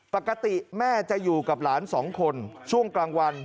ปกติแม่จะอยู่กับหลานสองคนช่วงกลางวัน